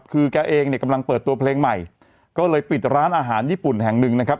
คือแกเองเนี่ยกำลังเปิดตัวเพลงใหม่ก็เลยปิดร้านอาหารญี่ปุ่นแห่งหนึ่งนะครับ